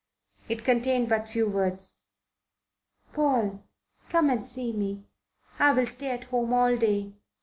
It contained but few words: PAUL, come and see me. I will stay at home all day.